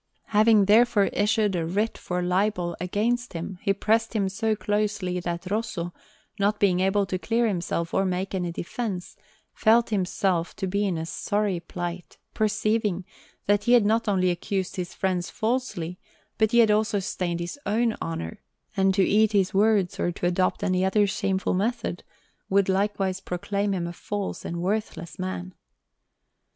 Having therefore issued a writ for libel against him, he pressed him so closely, that Rosso, not being able to clear himself or make any defence, felt himself to be in a sorry plight, perceiving that he had not only accused his friend falsely, but had also stained his own honour; and to eat his words, or to adopt any other shameful method, would likewise proclaim him a false and worthless man.